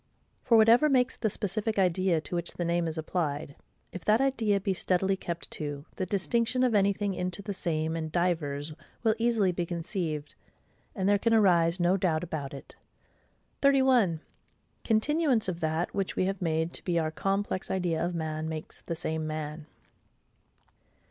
For whatever makes the specific idea to which the name is applied, if that idea be steadily kept to, the distinction of anything into the same and divers will easily be conceived, and there can arise no doubt about it. 31. Continuance of that which we have made to be our complex idea of man makes the same man.